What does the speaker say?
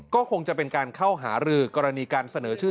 ก็คงจะเป็นการเข้าหารือกรณีการเสนอชื่อ